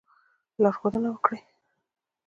لارښودنه وکړي.